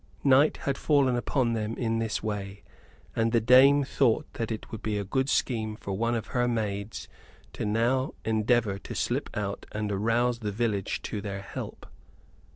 Night had fallen upon them in this way, and the dame thought that it would be a good scheme for one of her maids to now endeavor to slip out and arouse the village to their help.